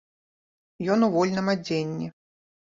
Ён у вольным адзенні.